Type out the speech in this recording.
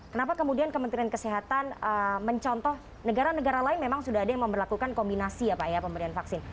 kenapa kemudian kementerian kesehatan mencontoh negara negara lain memang sudah ada yang memperlakukan kombinasi ya pak ya pemberian vaksin